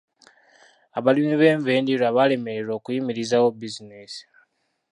Abalimi b'enva endiirwa baalemererwa okuyimirizaawo bizinensi.